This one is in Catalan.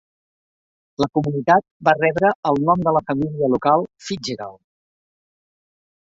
La comunitat va rebre el nom de la família local Fitzgerald.